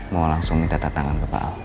mau langsung minta tatangan kepada pak al